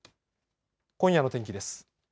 今夜の天気です。